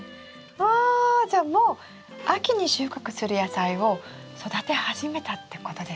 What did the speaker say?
わじゃあもう秋に収穫する野菜を育て始めたってことですね。